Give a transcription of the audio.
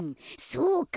そうか。